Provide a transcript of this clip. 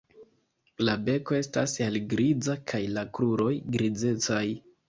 La beko estas helgriza kaj la kruroj grizecaj.